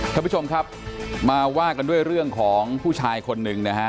ท่านผู้ชมครับมาว่ากันด้วยเรื่องของผู้ชายคนหนึ่งนะฮะ